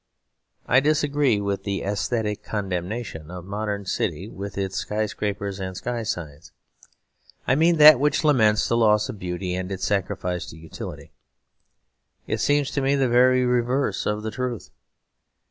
I disagree with the aesthetic condemnation of the modern city with its sky scrapers and sky signs. I mean that which laments the loss of beauty and its sacrifice to utility. It seems to me the very reverse of the truth.